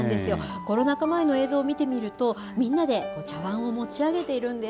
コロナ禍前の映像を見てみますと、みんなでお茶わんを持ち上げているんです。